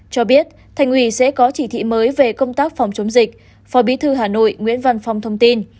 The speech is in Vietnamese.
cho biết thành ủy sẽ có chỉ thị mới về công tác phòng chống dịch phó bí thư hà nội nguyễn văn phong thông tin